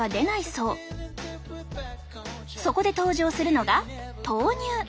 そこで登場するのが豆乳。